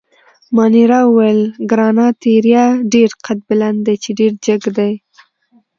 مانیرا وویل: ګراناتیریا ډېر قدبلند دي، چې ډېر جګ دي.